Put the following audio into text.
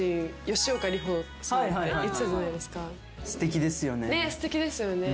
すてきですよね。